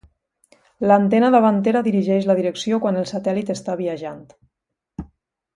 L'antena davantera dirigeix la direcció que el satèl·lit està viatjant.